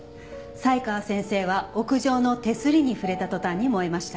才川先生は屋上の手すりに触れた途端に燃えました。